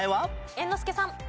猿之助さん。